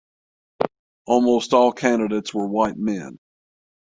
Almost all candidates were white men.